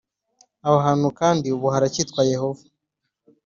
aho hantu kandi nubu haracyitwa Yehova